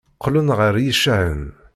Qqlen ɣer yicahen.